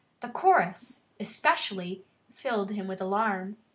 The chorus, especially, filled him with alarm.